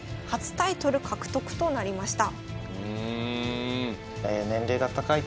八大タイトル戦となりました。